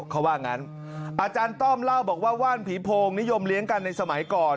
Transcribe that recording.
เขาว่างั้นอาจารย์ต้อมเล่าบอกว่าว่านผีโพงนิยมเลี้ยงกันในสมัยก่อน